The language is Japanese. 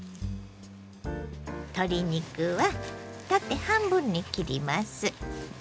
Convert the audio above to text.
鶏肉は縦半分に切ります。